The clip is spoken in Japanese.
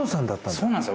そうなんですよ。